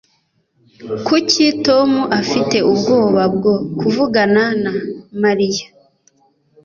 Kuki Tom afite ubwoba bwo kuvugana na Mariya